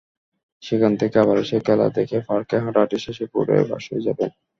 সেখান থেকে আবার এসে খেলা দেখে পার্কে হাঁটাহাঁটি শেষে ভোরে বাসায় যাবেন।